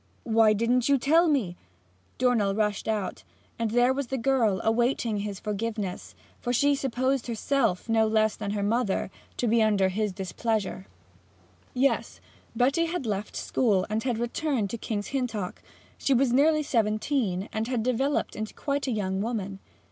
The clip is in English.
'Why didn't you tell me?' Dornell rushed out, and there was the girl awaiting his forgiveness, for she supposed herself, no less than her mother, to be under his displeasure. Yes, Betty had left school, and had returned to King's Hintock. She was nearly seventeen, and had developed to quite a young woman.